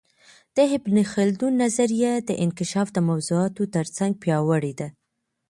د ابن خلدون نظریه د انکشاف د موضوعاتو ترڅنګ پياوړې ده.